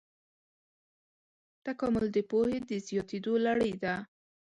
تکامل د پوهې د زیاتېدو لړۍ ده.